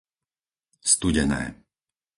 Studené